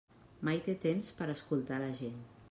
Mai té temps per escoltar la gent.